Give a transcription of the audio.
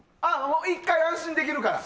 １回、安心できるからね。